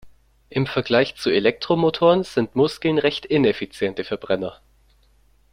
Im Vergleich zu Elektromotoren sind Muskeln recht ineffiziente Verbrenner.